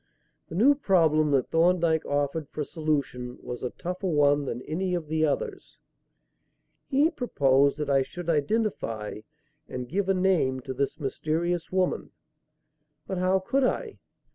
The new problem that Thorndyke offered for solution was a tougher one than any of the others. He proposed that I should identify and give a name to this mysterious woman. But how could I?